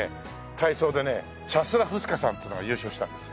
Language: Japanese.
体操でねチャスラフスカさんっつうのが優勝したんですよ。